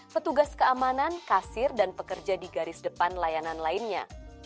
petugas keamanan kasir dan pekerja di garis depan layanan lainnya